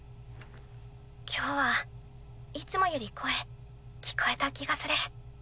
今日はいつもより声聞こえた気がする。